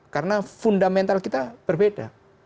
karena fundamental kita berbeda